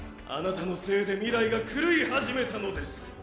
あなたのせいで未来が狂い始めたのです。